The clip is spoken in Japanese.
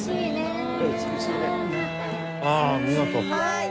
ああお見事。